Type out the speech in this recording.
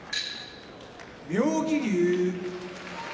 妙義龍